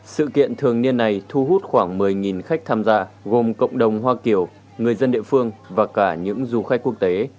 sự kiện thường niên này thu hút khoảng một mươi khách tham gia gồm cộng đồng hoa kiểu người dân địa phương và cả những du khách quốc tế